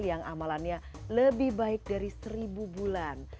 yang amalannya lebih baik dari seribu bulan